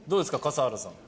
笠原さん。